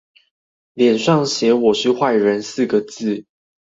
臉上寫我是壞人四個字